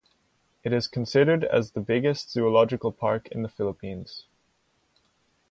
It is considered as the biggest zoological park in the Philippines.